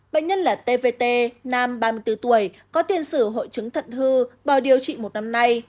bệnh nhân là tvt nam ba mươi bốn tuổi có tiền sử hội chứng thận hư bỏ điều trị một năm nay